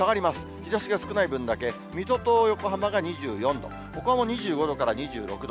日ざしが少ない分だけ、水戸と横浜が２４度、ほかも２５度から２６度。